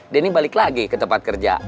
denny balik lagi ke tempat kerja